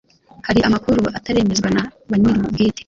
Hari amakuru ataremezwa na ba nyirubwite